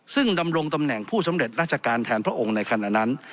ซึ่งดำรงตำแหน่งผู้สำเร็จราชการแทนพระองค์ในขณะนั้น